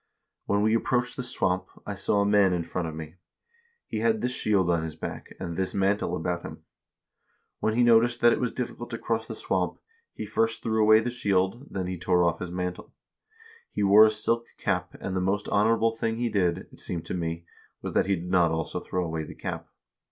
When we ap proached the swamp, I saw a man in front of me ; he had this shield on his back, and this mantle about him. When he noticed that it was difficult to cross the swamp, he first threw away the shield, then he tore off his mantle He wore a silk cap, and the most honorable thing he did, it seemed to me, was that he did not also throw away the cap.